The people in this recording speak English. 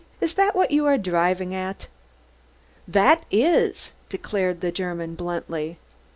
Is that what you are driving at? "Das iss!" declared the German bluntly.